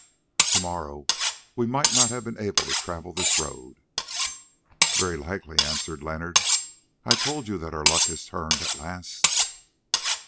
To morrow we might not have been able to travel this road." "Very likely," answered Leonard. "I told you that our luck had turned at last."